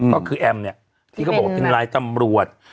ก็คือแอมเนี่ยที่เขาบอกว่าเป็นลายตำรวจ